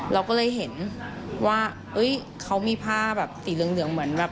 เราก็เลยเห็นว่าเขามีผ้าแบบสีเหลืองเหมือนแบบ